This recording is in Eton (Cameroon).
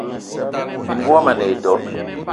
Minenga womo a ne e do.